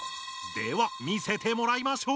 では見せてもらいましょう。